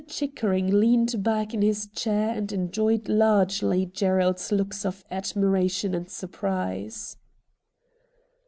LIr. Chickering leaned back in his chair and enjoyed largely Gerald's looks of admira tion and surprise.